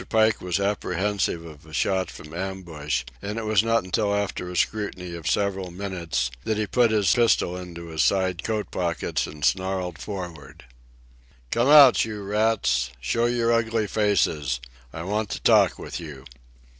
Pike was apprehensive of a shot from ambush, and it was not until after a scrutiny of several minutes that he put his pistol into his side coat pocket and snarled for'ard: "Come out, you rats! Show your ugly faces! I want to talk with you!"